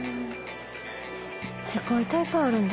世界大会あるんだ。